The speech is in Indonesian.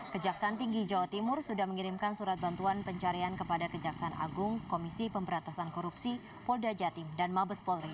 kejaksaan tinggi jawa timur sudah mengirimkan surat bantuan pencarian kepada kejaksaan agung komisi pemberantasan korupsi polda jatim dan mabes polri